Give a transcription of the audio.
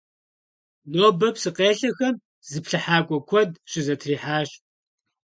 Нобэ псыкъелъэхэм зыплъыхьакӀуэ куэд щызэтрихьащ.